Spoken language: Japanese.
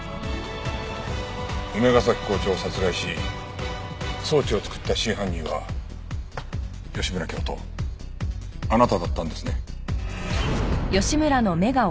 梅ヶ崎校長を殺害し装置を作った真犯人は吉村教頭あなただったんですね。